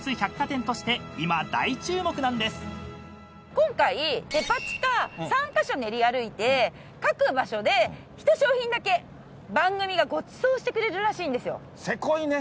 今回デパ地下３カ所練り歩いて各場所で１商品だけ番組がごちそうしてくれるらしいんです。